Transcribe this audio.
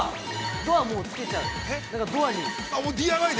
ドアにつけちゃう。